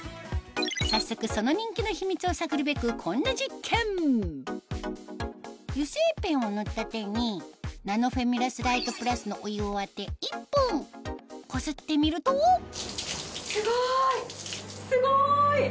早速その人気の秘密を探るべくこんな実験油性ペンを塗った手にナノフェミラスライトプラスのお湯を当て１分こすってみるとすごいすごい！